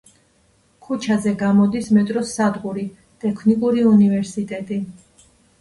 ქუჩაზე გამოდის მეტროს სადგური „ტექნიკური უნივერსიტეტი“.